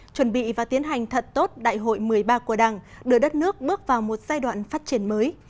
chuẩn bị và tiến hành thật tốt đại hội một mươi ba của đảng đưa đất nước bước vào một giai đoạn phát triển mới